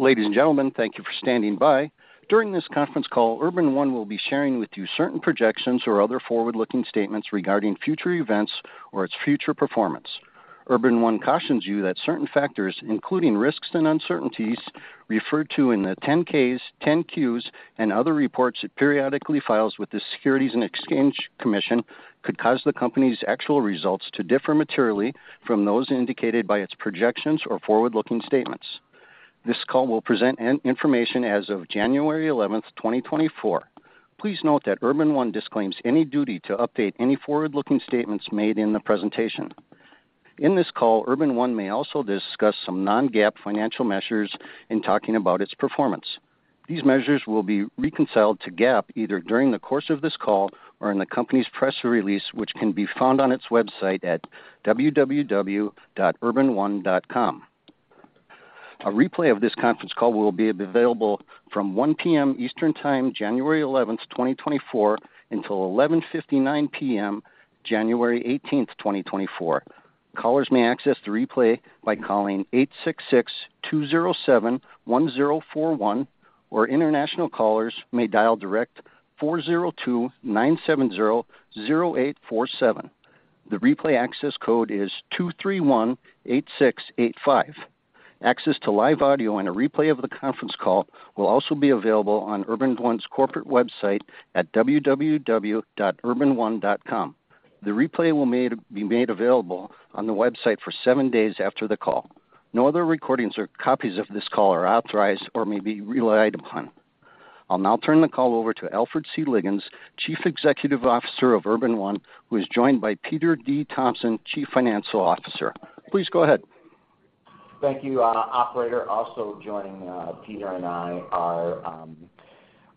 Ladies and gentlemen, thank you for standing by. During this conference call, Urban One will be sharing with you certain projections or other forward-looking statements regarding future events or its future performance. Urban One cautions you that certain factors, including risks and uncertainties referred to in the 10-Ks, 10-Qs, and other reports it periodically files with the Securities and Exchange Commission, could cause the company's actual results to differ materially from those indicated by its projections or forward-looking statements. This call will present information as of January 11, 2024. Please note that Urban One disclaims any duty to update any forward-looking statements made in the presentation. In this call, Urban One may also discuss some non-GAAP financial measures in talking about its performance. These measures will be reconciled to GAAP, either during the course of this call or in the company's press release, which can be found on its website at www.urbanone.com. A replay of this conference call will be available from 1:00 P.M. Eastern Time, January 11th, 2024, until 11:59 P.M., January 18th, 2024. Callers may access the replay by calling 866-207-1041, or international callers may dial direct 402-970-0847. The replay access code is 2318685. Access to live audio and a replay of the conference call will also be available on Urban One's corporate website at www.urbanone.com. The replay will be made available on the website for seven days after the call. No other recordings or copies of this call are authorized or may be relied upon. I'll now turn the call over to Alfred C. Liggins, Chief Executive Officer of Urban One, who is joined by Peter D. Thompson, Chief Financial Officer. Please go ahead. Thank you, operator. Also joining, Peter and I are,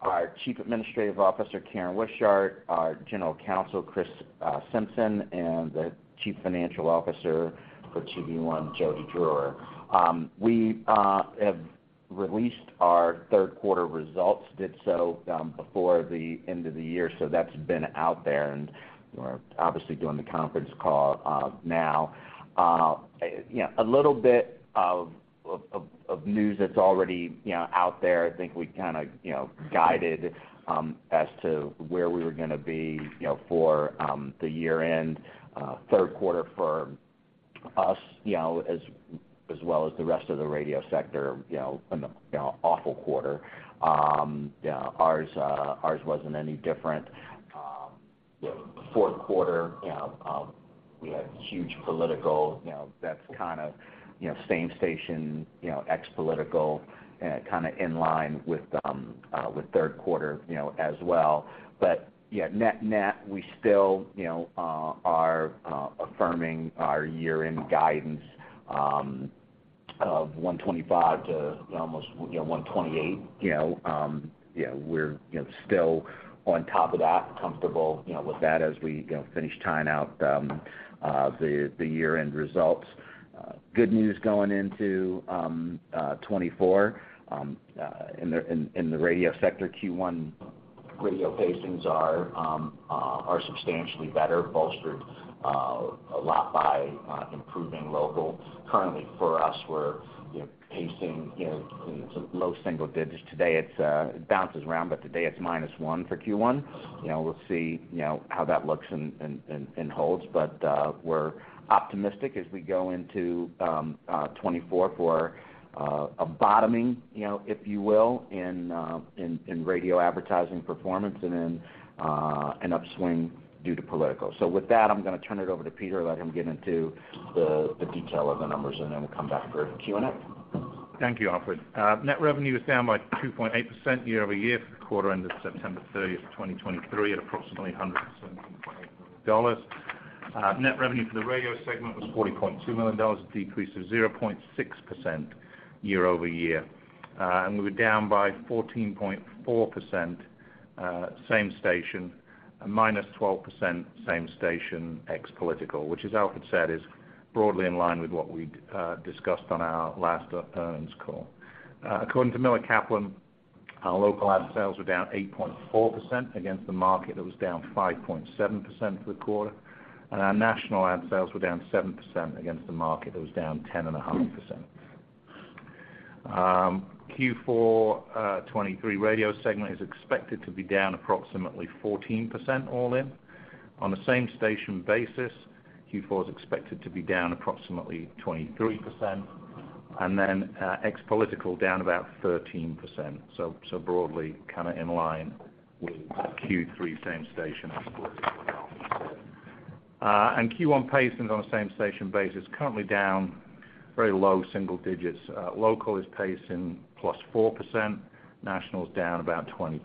our Chief Administrative Officer, Karen Wishart, our General Counsel, Chris Simpson, and the Chief Financial Officer for TV One, Jody Dreher. We have released our third quarter results, did so before the end of the year, so that's been out there, and we're obviously doing the conference call now. You know, a little bit of news that's already, you know, out there, I think we kinda, you know, guided as to where we were gonna be, you know, for the year-end, third quarter for us, you know, as well as the rest of the radio sector, you know, an awful quarter. Yeah, ours wasn't any different. The fourth quarter, you know, we had huge political, you know, that's kind of, you know, same station, you know, ex-political, kinda in line with with third quarter, you know, as well. But, yeah, net-net, we still, you know, are affirming our year-end guidance of $125 to almost, you know, $128. You know, yeah, we're, you know, still on top of that, comfortable, you know, with that as we, you know, finish tying out the year-end results. Good news going into 2024. In the radio sector, Q1 radio pacings are substantially better, bolstered a lot by improving local. Currently, for us, we're, you know, pacing, you know, low single digits. Today, it's, it bounces around, but today, it's -1 for Q1. You know, we'll see, you know, how that looks and holds. But, we're optimistic as we go into 2024 for a bottoming, you know, if you will, in radio advertising performance and then an upswing due to political. So with that, I'm gonna turn it over to Peter, let him get into the detail of the numbers, and then we'll come back for Q&A. Thank you, Alfred. Net revenue is down by 2.8% year-over-year for the quarter ended September 30th, 2023, at approximately $170.8 million. Net revenue for the radio segment was $40.2 million, a decrease of 0.6% year-over-year. And we were down by 14.4%, same station, and -12% same station ex-political, which, as Alfred said, is broadly in line with what we discussed on our last earnings call. According to Miller Kaplan, our local ad sales were down 8.4% against the market that was down 5.7% for the quarter, and our national ad sales were down 7% against the market that was down 10.5%. Q4 2023 radio segment is expected to be down approximately 14% all-in. On a same-station basis, Q4 is expected to be down approximately 23% and then, ex-political, down about 13%, so broadly, kinda in line with Q3 same-station as well. And Q1 pacings on a same-station basis, currently down very low single digits. Local is pacing +4%, national is down about 20%.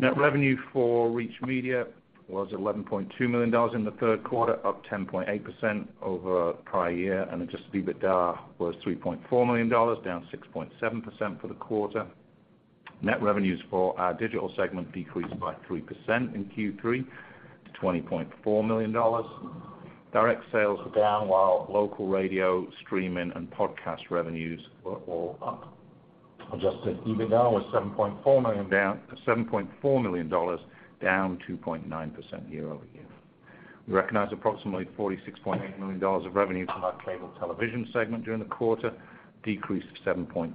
Net revenue for Reach Media was $11.2 million in the third quarter, up 10.8% over prior year, and Adjusted EBITDA was $3.4 million, down 6.7% for the quarter. Net revenues for our digital segment decreased by 3% in Q3 to $20.4 million. Direct sales were down, while local radio, streaming, and podcast revenues were all up. Adjusted EBITDA was $7.4 million, down $7.4 million, down 2.9% year-over-year. We recognized approximately $46.8 million of revenue from our cable television segment during the quarter, decreased 7.6%.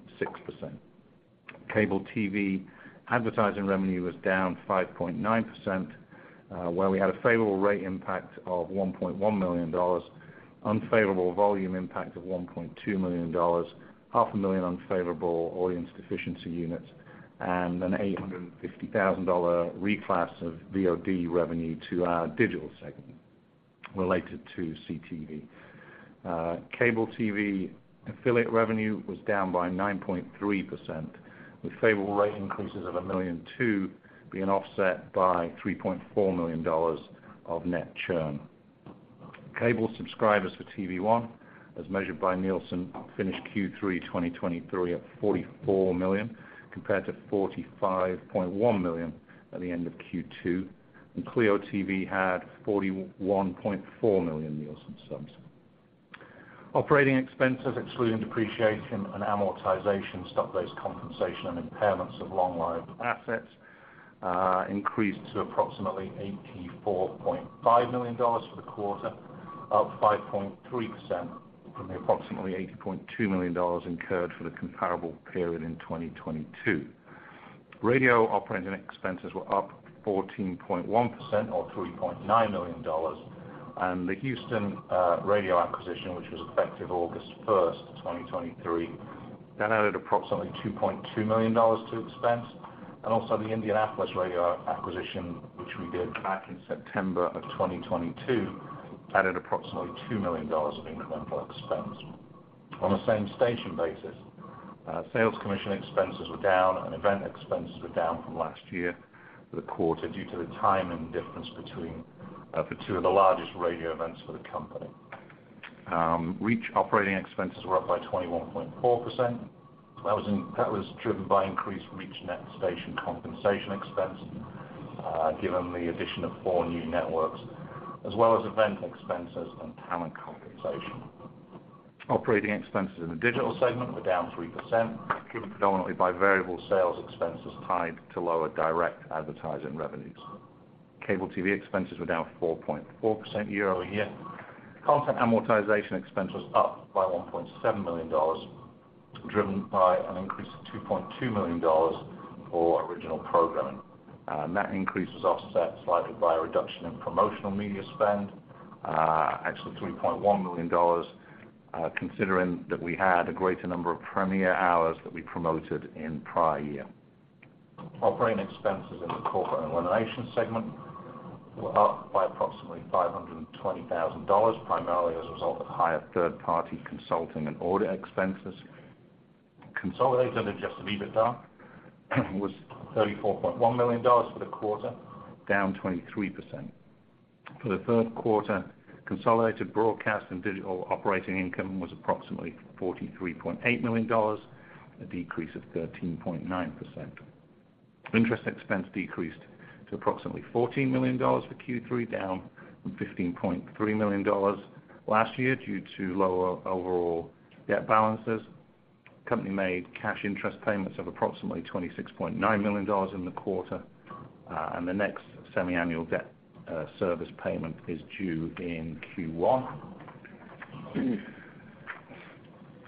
Cable TV advertising revenue was down 5.9%, where we had a favorable rate impact of $1.1 million, unfavorable volume impact of $1.2 million, $500,000 unfavorable audience deficiency units, and an $850,000 reclass of VOD revenue to our digital segment related to CTV. Cable TV affiliate revenue was down by 9.3%, with favorable rate increases of $1.2 million being offset by $3.4 million of net churn. Cable subscribers for TV One, as measured by Nielsen, finished Q3 2023 at 44 million, compared to 45.1 million at the end of Q2, and Cleo TV had 41.4 million Nielsen subs. Operating expenses, excluding depreciation and amortization, stock-based compensation and impairments of long-lived assets, increased to approximately $84.5 million for the quarter, up 5.3% from the approximately $80.2 million incurred for the comparable period in 2022. Radio operating expenses were up 14.1% or $3.9 million. The Houston radio acquisition, which was effective August 1st, 2023, that added approximately $2.2 million to expense, and also the Indianapolis radio acquisition, which we did back in September of 2022, added approximately $2 million of incremental expense. On a same-station basis, sales commission expenses were down and event expenses were down from last year for the quarter, due to the timing difference between for two of the largest radio events for the company. Reach operating expenses were up by 21.4%. That was, that was driven by increased Reach net station compensation expense, given the addition of four new networks, as well as event expenses and talent compensation. Operating expenses in the digital segment were down 3%, driven predominantly by variable sales expenses tied to lower direct advertising revenues. Cable TV expenses were down 4.4% year-over-year. Content Amortization expense was up by $1.7 million, driven by an increase of $2.2 million for original programming. That increase was offset slightly by a reduction in promotional media spend, actually $3.1 million, considering that we had a greater number of premiere hours that we promoted in prior year. Operating expenses in the corporate elimination segment were up by approximately $520,000, primarily as a result of higher third-party consulting and audit expenses. Consolidated Adjusted EBITDA was $34.1 million for the quarter, down 23%. For the third quarter, consolidated Broadcast and Digital Operating Income was approximately $43.8 million, a decrease of 13.9%. Interest expense decreased to approximately $14 million for Q3, down from $15.3 million last year due to lower overall debt balances. Company made cash interest payments of approximately $26.9 million in the quarter, and the next semiannual debt service payment is due in Q1.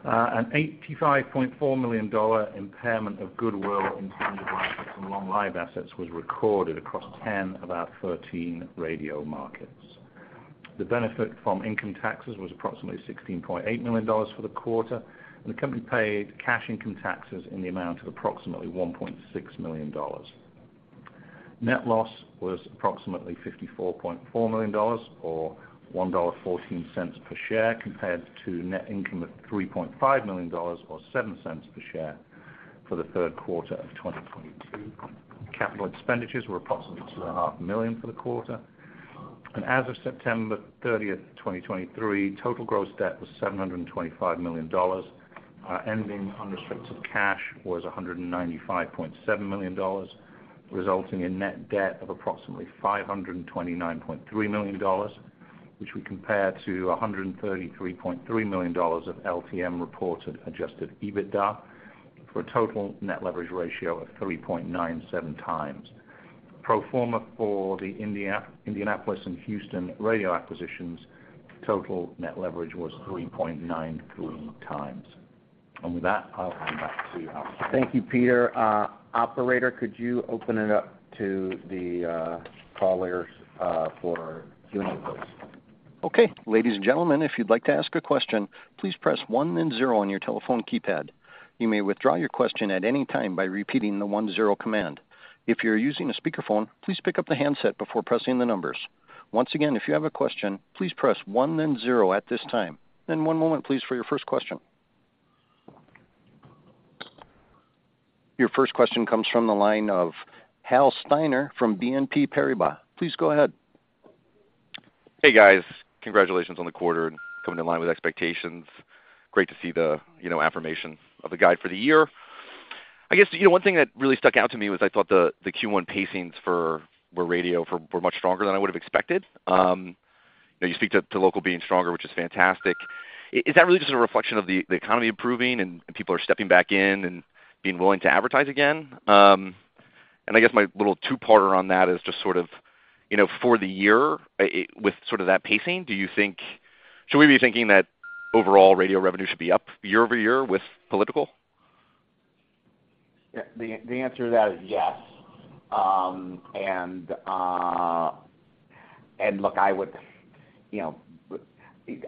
An $85.4 million impairment of goodwill, intangible assets, and long-lived assets was recorded across 10 of our 13 radio markets. The benefit from income taxes was approximately $16.8 million for the quarter, and the company paid cash income taxes in the amount of approximately $1.6 million. Net loss was approximately $54.4 million or $1.14 per share, compared to net income of $3.5 million or $0.07 per share for the third quarter of 2022. Capital expenditures were approximately $2.5 million for the quarter. As of September 30, 2023, total gross debt was $725 million. Our ending unrestricted cash was $195.7 million, resulting in net debt of approximately $529.3 million, which we compare to $133.3 million of LTM reported adjusted EBITDA, for a total net leverage ratio of 3.97x. Pro forma for the Indianapolis and Houston radio acquisitions, total net leverage was 3.93x. With that, I'll hand it back to you, Alfred. Thank you, Peter. Operator, could you open it up to the callers for Q&A, please? Okay, ladies and gentlemen, if you'd like to ask a question, please press one then zero on your telephone keypad. You may withdraw your question at any time by repeating the one-zero command. If you're using a speakerphone, please pick up the handset before pressing the numbers. Once again, if you have a question, please press one, then zero at this time. One moment, please, for your first question. Your first question comes from the line of Hal Steiner from BNP Paribas. Please go ahead. Hey, guys. Congratulations on the quarter and coming in line with expectations. Great to see the, you know, affirmation of the guide for the year. I guess, you know, one thing that really stuck out to me was I thought the Q1 pacings for radio were much stronger than I would have expected. You know, you speak to local being stronger, which is fantastic. Is that really just a reflection of the economy improving and people are stepping back in and being willing to advertise again? And I guess my little two-parter on that is just sort of, you know, for the year, with sort of that pacing, do you think—should we be thinking that overall radio revenue should be up year-over-year with political? Yeah, the answer to that is yes. And look, I would, you know,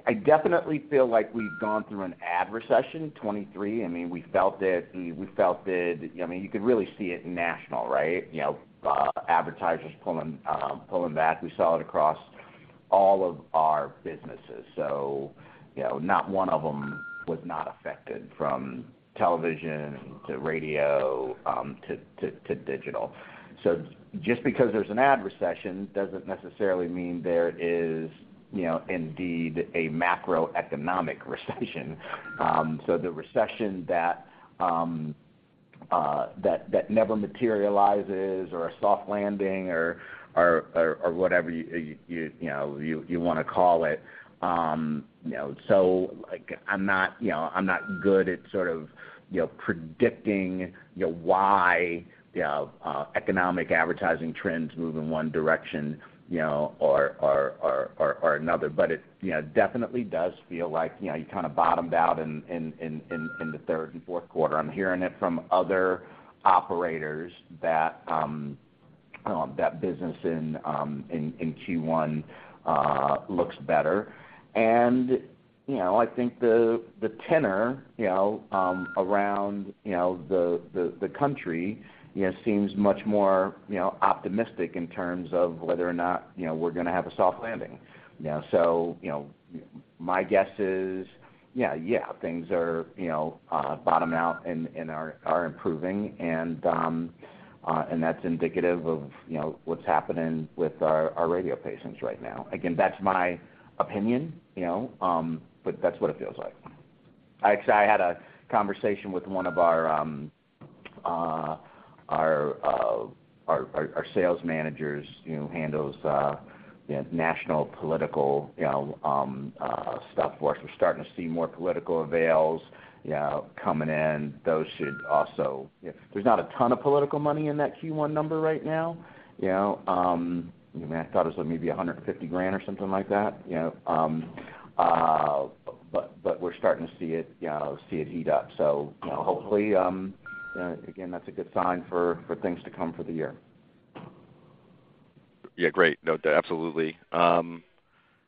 I definitely feel like we've gone through an ad recession, 2023. I mean, we felt it. We felt it, I mean, you could really see it in national, right? You know, advertisers pulling back. We saw it across all of our businesses. So, you know, not one of them was not affected, from television, to radio, to digital. So just because there's an ad recession doesn't necessarily mean there is, you know, indeed, a macroeconomic recession. So the recession that never materializes, or a soft landing or whatever you, you know, you wanna call it. You know, so, like, I'm not, you know, I'm not good at sort of, you know, predicting, you know, why, you know, economic advertising trends move in one direction, you know, or another. But it, you know, definitely does feel like, you know, you kind of bottomed out in the third and fourth quarter. I'm hearing it from other operators that that business in Q1 looks better. And, you know, I think the tenor, you know, around the country, you know, seems much more, you know, optimistic in terms of whether or not, you know, we're gonna have a soft landing. You know, so, you know, my guess is, yeah, yeah, things are, you know, bottoming out and, and are, are improving, and, and that's indicative of, you know, what's happening with our radio stations right now. Again, that's my opinion, you know, but that's what it feels like. Actually, I had a conversation with one of our sales managers, who handles, you know, national political, you know, stuff for us. We're starting to see more political avails, you know, coming in. Those should also... You know, there's not a ton of political money in that Q1 number right now, you know. I mean, I thought it was maybe $150,000 or something like that, you know, but we're starting to see it, you know, see it heat up. So, you know, hopefully, again, that's a good sign for things to come for the year. Yeah, great. No, absolutely. I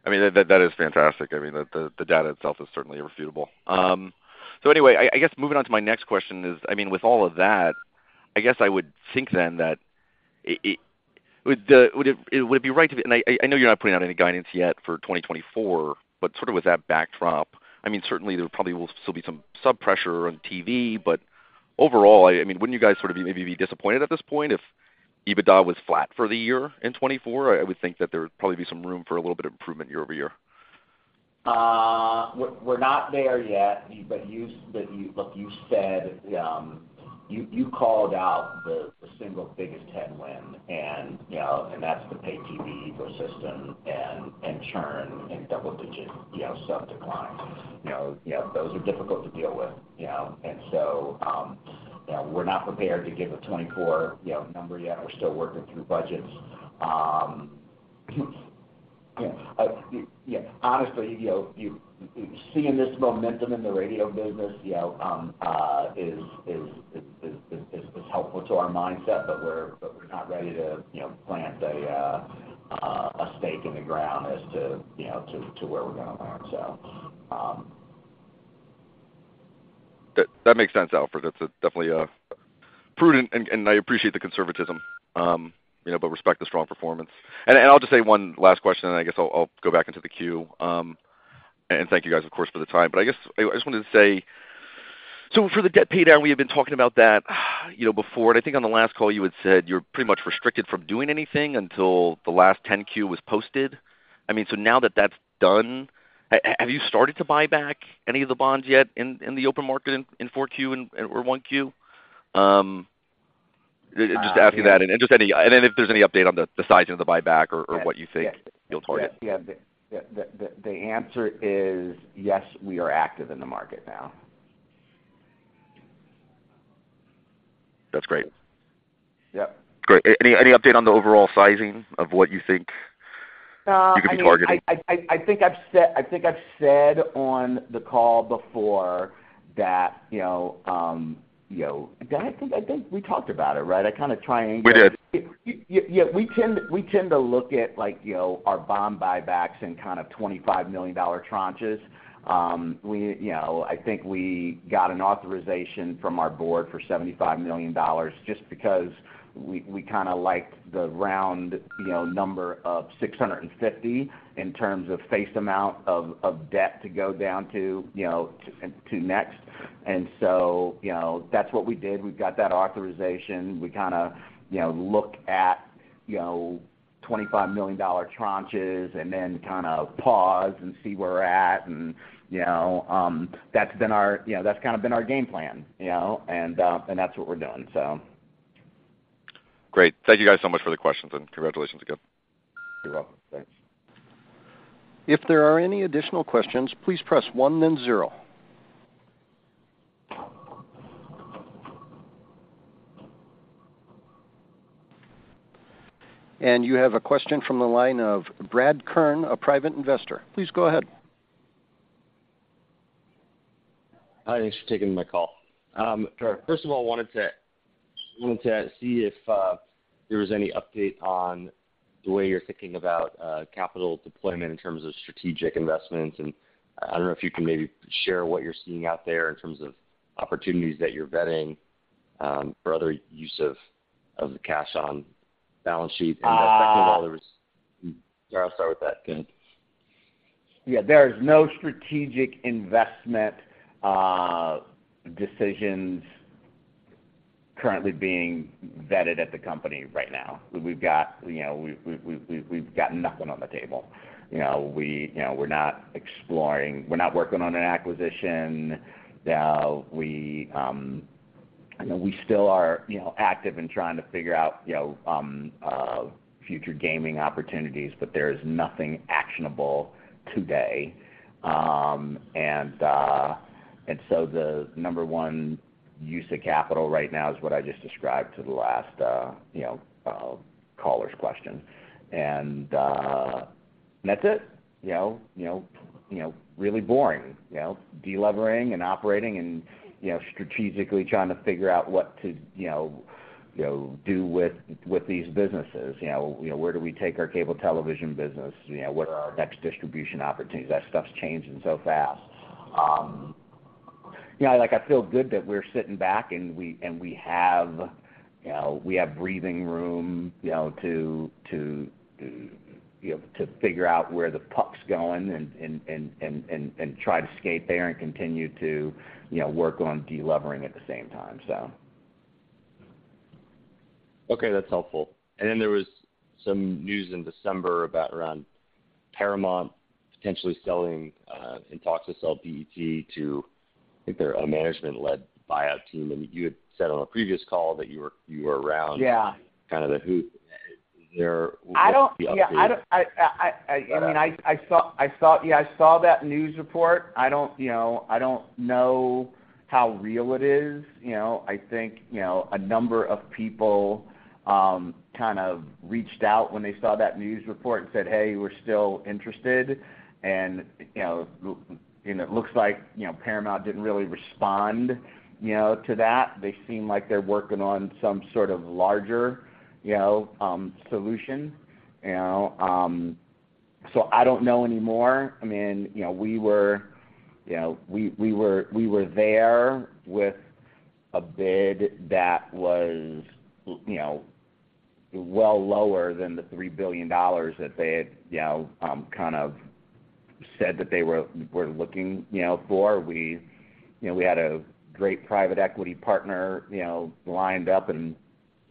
mean, that is fantastic. I mean, the data itself is certainly irrefutable. So anyway, I guess moving on to my next question is, I mean, with all of that, I guess I would think then that it would be right to... And I know you're not putting out any guidance yet for 2024, but sort of with that backdrop, I mean, certainly there probably will still be some sub-pressure on TV, but overall, I mean, wouldn't you guys sort of be maybe disappointed at this point if EBITDA was flat for the year in 2024? I would think that there would probably be some room for a little bit of improvement year-over-year. We're not there yet, but you look, you said you called out the single biggest headwind, and you know, and that's the pay TV ecosystem and churn in double digits, you know, sub decline. You know, yeah, those are difficult to deal with, you know? We're not prepared to give a 2024 number yet. We're still working through budgets. Yeah, honestly, you know, seeing this momentum in the radio business, you know, is helpful to our mindset, but we're not ready to, you know, plant a stake in the ground as to, you know, to where we're gonna land. That makes sense, Alfred. That's definitely a prudent, and I appreciate the conservatism, you know, but respect the strong performance. And I'll just say one last question, and I guess I'll go back into the queue. And thank you, guys, of course, for the time. But I guess I just wanted to say, so for the debt paydown, we have been talking about that, you know, before, and I think on the last call, you had said you're pretty much restricted from doing anything until the last 10-Q was posted. I mean, so now that that's done, have you started to buy back any of the bonds yet in the open market in 4Q or 1Q? Just asking that, and just any and then if there's any update on the sizing of the buyback or what you think- Yes. -you'll target. Yeah. The answer is yes, we are active in the market now. That's great. Yep. Great. Any update on the overall sizing of what you think- Uh- you could be targeting? I think I've said on the call before that, you know, you know... Did I? I think we talked about it, right? I kind of try and- We did. Yeah, yeah, we tend to look at, like, you know, our bond buybacks in kind of $25 million tranches. We, you know, I think we got an authorization from our board for $75 million just because we kinda liked the round, you know, number of 650 in terms of face amount of debt to go down to, you know, next. And so, you know, that's what we did. We've got that authorization. We kinda, you know, look at, you know, $25 million tranches and then kind of pause and see where we're at. And, you know, that's been our... You know, that's kind of been our game plan, you know? And that's what we're doing, so.... Great. Thank you guys so much for the questions, and congratulations again. You're welcome. Thanks. If there are any additional questions, please press one then zero. You have a question from the line of Brad Kern, a private investor. Please go ahead. Hi, thanks for taking my call. First of all, I wanted to see if there was any update on the way you're thinking about capital deployment in terms of strategic investments, and I don't know if you can maybe share what you're seeing out there in terms of opportunities that you're vetting for other use of the cash on balance sheet. Uh- Second of all, there was. I'll start with that. Go ahead. Yeah, there is no strategic investment decisions currently being vetted at the company right now. We've got, you know, we've got nothing on the table. You know, you know, we're not exploring. We're not working on an acquisition. We still are, you know, active in trying to figure out, you know, future gaming opportunities, but there is nothing actionable today. And so the number one use of capital right now is what I just described to the last, you know, caller's question. And that's it, you know, you know, you know, really boring, you know, delevering and operating and, you know, strategically trying to figure out what to, you know, you know, do with these businesses. You know, where do we take our cable television business? You know, what are our next distribution opportunities? That stuff's changing so fast. Yeah, like, I feel good that we're sitting back, and we have, you know, we have breathing room, you know, to you know, to figure out where the puck's going and try to skate there and continue to, you know, work on delevering at the same time, so. Okay, that's helpful. And then there was some news in December about around Paramount potentially selling, in talks to sell BET to, I think, they're a management-led buyout team, and you had said on a previous call that you were, you were around- Yeah kind of the hoop. Is there I don't, yeah. The update? I mean, I saw that news report. I don't, you know, I don't know how real it is. You know, I think, you know, a number of people kind of reached out when they saw that news report and said, "Hey, we're still interested." And, you know, it looks like, you know, Paramount didn't really respond, you know, to that. They seem like they're working on some sort of larger, you know, solution, you know, so I don't know anymore. I mean, you know, we were, you know, there with a bid that was, you know, well lower than the $3 billion that they had, you know, kind of said that they were looking, you know, for. We, you know, we had a great private equity partner, you know, lined up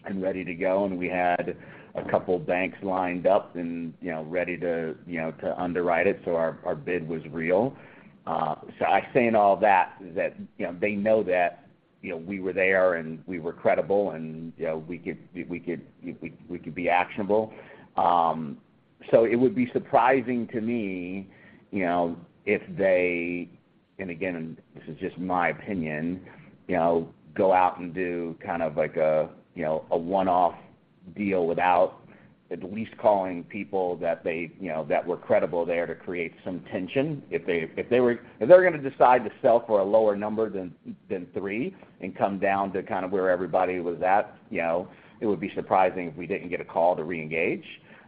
and ready to go, and we had a couple banks lined up and, you know, ready to, you know, underwrite it, so our bid was real. So I say in all that is that, you know, they know that, you know, we were there, and we were credible, and, you know, we could be actionable. So it would be surprising to me, you know, if they, and again, this is just my opinion, you know, go out and do kind of like a one-off deal without at least calling people that they, you know, that were credible there to create some tension. If they were gonna decide to sell for a lower number than three and come down to kind of where everybody was at, you know, it would be surprising if we didn't get a call to reengage,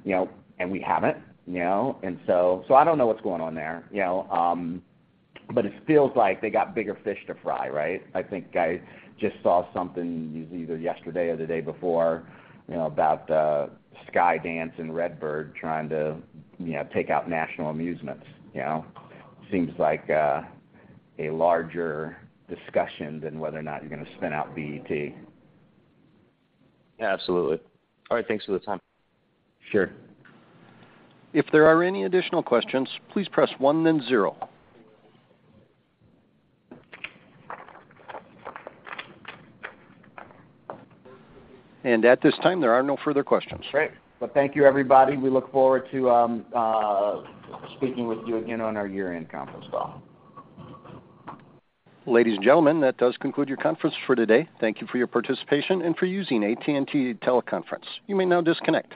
you know, and we haven't, you know? So I don't know what's going on there, you know, but it feels like they got bigger fish to fry, right? I think I just saw something either yesterday or the day before, you know, about Skydance and RedBird trying to, you know, take out National Amusements. You know, seems like a larger discussion than whether or not you're gonna spin out BET. Yeah, absolutely. All right. Thanks for the time. Sure. If there are any additional questions, please press one then zero. At this time, there are no further questions. Great. Well, thank you, everybody. We look forward to speaking with you again on our year-end conference call. Ladies and gentlemen, that does conclude your conference for today. Thank you for your participation and for using AT&T Teleconference. You may now disconnect.